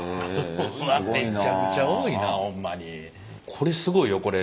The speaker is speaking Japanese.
これすごいよこれ。